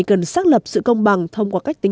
về mặt xã hội